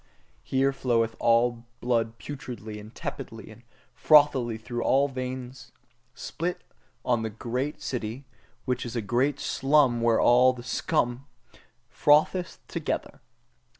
Here floweth all blood putridly and tepidly and frothily through all veins: spit on the great city, which is the great slum where all the scum frotheth together!